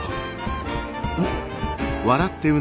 うん。